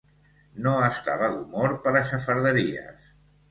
No estava d'humor per a xafarderies.